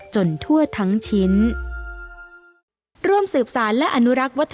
ทั่วทั้งชิ้น